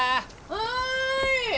はい！